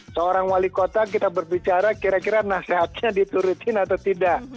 seorang wali kota kita berbicara kira kira nasihatnya diturutin atau tidak